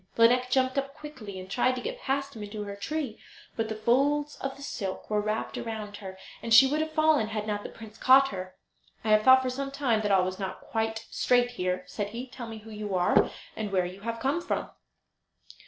Lineik jumped up quickly, and tried to get past him back to her tree; but the folds of the silk were wrapped round her, and she would have fallen had not the prince caught her. "I have thought for some time that all was not quite straight here," said he. "Tell me who you are, and where you come from?"